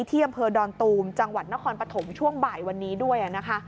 ที่อำเภอดอนตูมจังหวัดนครปฐมช่วงบ่ายวันนี้ด้วยนะคะ